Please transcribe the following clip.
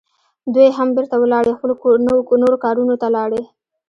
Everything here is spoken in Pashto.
دوی هم بیرته ولاړې، خپلو نورو کارونو ته لاړې.